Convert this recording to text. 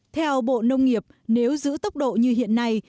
theo bộ nông nghiệp nếu giữ tốc độ như hiện nay